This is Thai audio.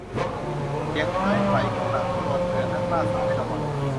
เสียงไม้ไหวข้างหลังตัวเตือนนักล่าสาวให้ระวัง